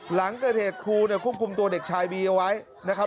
หลังเกิดเหตุครูเนี่ยควบคุมตัวเด็กชายบีเอาไว้นะครับ